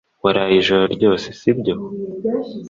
Waraye ijoro ryose si byo